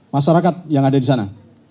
masyarakat yang ada di sana